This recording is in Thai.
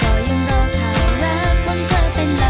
ไม่เคยรอเธอรักแต่ก็ยังรอเธอรัก